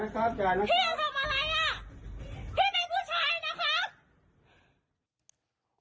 ไปทำอะไรอ่ะ